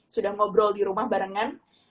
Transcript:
sudah ngobrol di rumah barengan